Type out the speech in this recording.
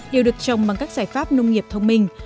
đều được trồng bằng các giải pháp nông nghiệp thông minh